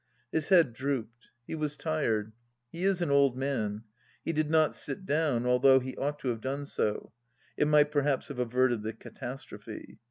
His head drooped. He was tired. He is an old man. He did not sit down, although he ought to have done so ; it might perhaps have averted the catastrophe.